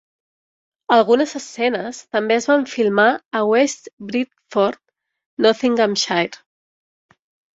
Algunes escenes també es van filmar a West Bridgford, Nottinghamshire.